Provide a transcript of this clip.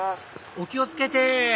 お気を付けて！